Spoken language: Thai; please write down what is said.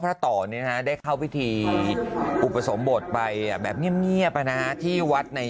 พระต่อนี้นะฮะได้เข้าพิธีอุปสมบทไปอ่ะแบบเงียบเงียบนะฮะที่วัดใน